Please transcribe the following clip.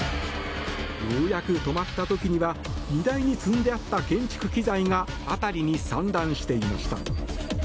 ようやく止まった時には荷台に積んであった建築機材が辺りに散乱していました。